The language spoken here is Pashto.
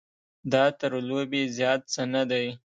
دا تر لوبې زیات څه نه دی.